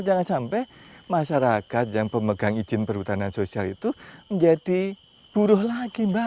jangan sampai masyarakat yang pemegang izin perhutanan sosial itu menjadi buruh lagi mbak